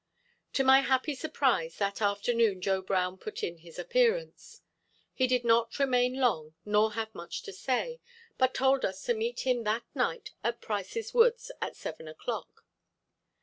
To my happy surprise that afternoon Joe Brown put in his appearance. He did not remain long nor have much to say, but told us to meet him that night at Price's Woods at seven o'clock.